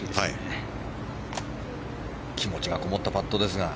気持ちがこもったパットですが。